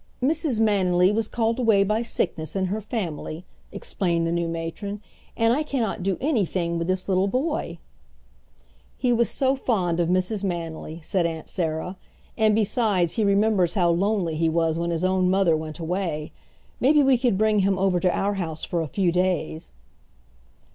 "Mrs. Manily was called away by sickness in her family," explained the new matron, "and I cannot do anything with this little boy." "He was so fond of Mrs. Manily," said Aunt Sarah, "and besides he remembers how lonely he was when his own mother went away. Maybe we could bring him over to our house for a few days."